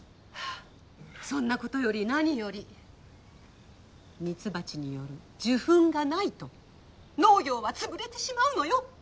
そんなことより何よりミツバチによる受粉がないと農業はつぶれてしまうのよ！